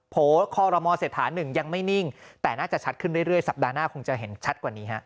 โคอรมอเศรษฐานึงยังไม่นิ่งแต่น่าจะชัดขึ้นเรื่อยสัปดาห์หน้าคงจะเห็นชัดกว่านี้ฮะ